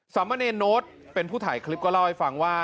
สำเมินเอนโน๊ตเป็นผู้ถ่ายคลิปก็เล่าให้ฟังว่า